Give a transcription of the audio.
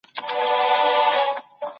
محکمو د مظلومانو حقونه بیرته اخیستل.